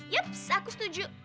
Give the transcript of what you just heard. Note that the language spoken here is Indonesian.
yup aku setuju